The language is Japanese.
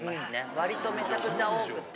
わりとめちゃくちゃ多くて。